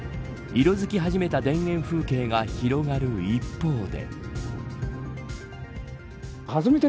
色づき始めた田園風景が広がる一方で。